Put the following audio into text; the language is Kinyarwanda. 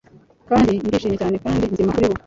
kandi ndishimye cyane kandi nzima kuri bo